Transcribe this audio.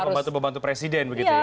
pembantu pembantu presiden begitu ya